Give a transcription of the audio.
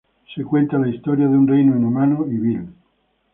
Se cuenta la historia de un reino inhumano y vil.